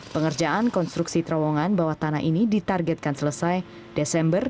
pengerjaan konstruksi terowongan bawah tanah ini ditargetkan selesai desember dua ribu enam belas